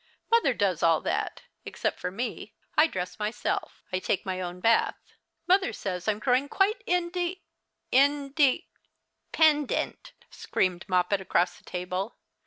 "Mother does all that^ except for me. I dress myself. I take my own Imth. Mother says I'm growing quite inde in de "" Pendent," screamed Moppet across the table.